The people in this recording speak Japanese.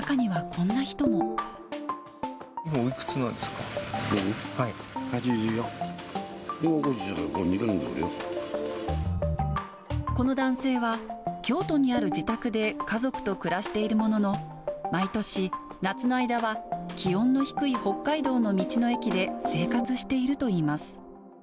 この男性は、京都にある自宅で家族と暮らしているものの、毎年、夏の間は気温の低い北海道の道の駅で生活しているといいます。